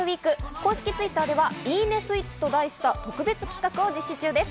公式Ｔｗｉｔｔｅｒではいいねスイッチと題した特別企画を実施中です。